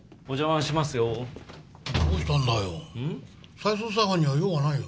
再捜査班には用はないよ。